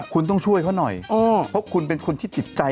คุณต้องช่วยเขาหน่อยเพราะคุณเป็นคนที่จิตใจ